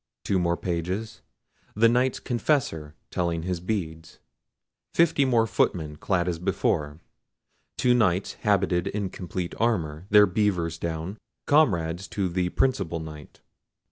Two more pages. The Knight's confessor telling his beads. Fifty more footmen clad as before. Two Knights habited in complete armour, their beavers down, comrades to the principal Knight.